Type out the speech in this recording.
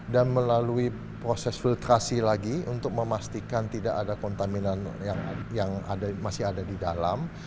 dan melalui proses filtrasi lagi untuk memastikan tidak ada kontaminan yang masih ada di dalam